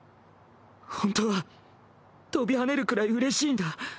本当は跳びはねるくらいうれしいんだ。